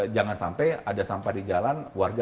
jangan sampai ada sampah di jalan warga